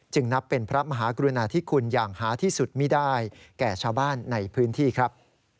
นับเป็นพระมหากรุณาธิคุณอย่างหาที่สุดไม่ได้แก่ชาวบ้านในพื้นที่ครับ